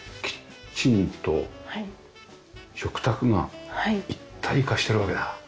キッチンと食卓が一体化してるわけだ。